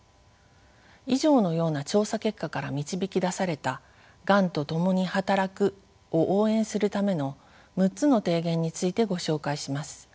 以上のような調査結果から導き出された「がんとともに働く」を応援するための６つの提言についてご紹介します。